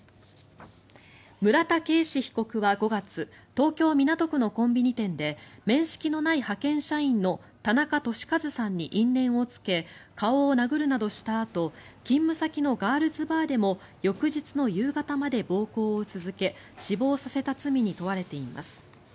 村田圭司被告は５月東京・港区のコンビニ店で面識のない派遣社員の田中寿和さんに因縁をつけ顔を殴るなどしたあと勤務先のガールズバーでも翌日の夕方まで暴行を続け死亡させた罪に問われています。